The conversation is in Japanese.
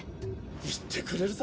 言ってくれるぜ。